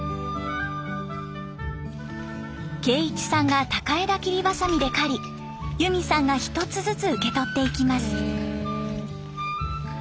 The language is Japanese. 圭一さんが高枝切りばさみで刈りゆみさんが一つずつ受け取っていきます。